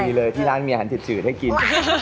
ดีเลยที่ร้านมีอาหารจืดให้กิน